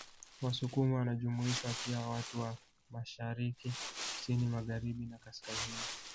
Wasukuma wanajumuishwa pia watu wa Mashariki kusini Magharibina kaskazini